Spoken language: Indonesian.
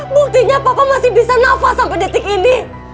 buktinya papa masih bisa nafas sampai detik ini